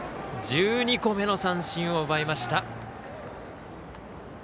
１２個目の三振を奪いました。